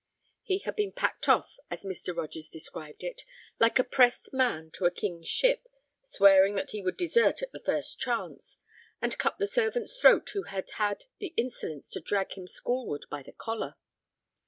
He had been packed off, as Mr. Rogers described it, like a pressed man to a king's ship, swearing that he would desert at the first chance, and cut the servant's throat who had had the insolence to drag him schoolward by the collar.